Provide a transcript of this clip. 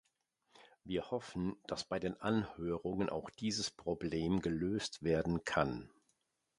Wir hoffen, dass bei den Anhörungen auch dieses Problem gelöst werden kann.